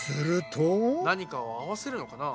何かを合わせるのかな？